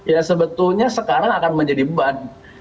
ya sebetulnya sekarang akan menjadi beban